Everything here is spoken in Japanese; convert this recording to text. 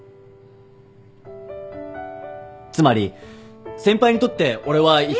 つまり先輩にとって俺はいった。